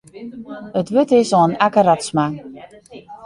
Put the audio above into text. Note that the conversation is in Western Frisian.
It wurd is oan Akke Radsma.